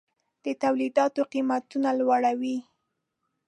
د تولیداتو قیمتونه لوړوي.